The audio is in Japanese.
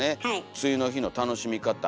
梅雨の日の楽しみ方